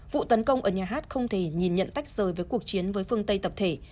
vụ tấn công ở nhà hát không thể nhìn nhận tách rời với cuộc chiến với phương tây tập thể